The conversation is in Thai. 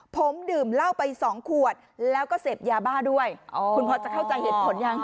ผมดื่มเหล้าไปสองขวดแล้วก็เสพยาบ้าด้วยคุณพอจะเข้าใจเหตุผลยัง